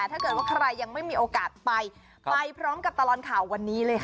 ถ้าเกิดว่าใครยังไม่มีโอกาสไปไปพร้อมกับตลอดข่าววันนี้เลยค่ะ